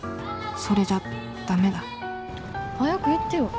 それじゃダメだ早く言ってよ。